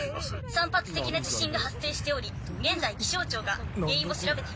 「散発的な地震が発生しており現在気象庁が原因を調べています」